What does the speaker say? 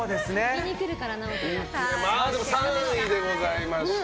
でも、３位でございました。